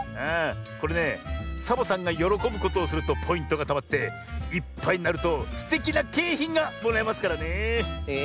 これねサボさんがよろこぶことをするとポイントがたまっていっぱいになるとすてきなけいひんがもらえますからねえ。